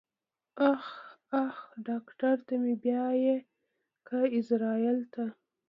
اخ اخ ډاکټر ته مې بيايې که ايزرايل ته.